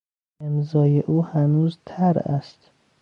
امضای او هنوز تر است.